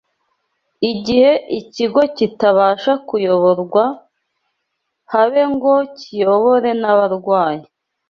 Igihe ikigo kitabasha kuyoborwa, habe ngo kiyobore n’abarwayi